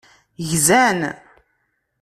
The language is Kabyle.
Gzan.